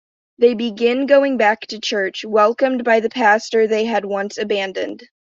They begin going back to church, welcomed by the pastor they had once abandoned.